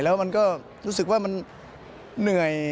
แล้วมันก็รู้สึกว่ามันเหนื่อย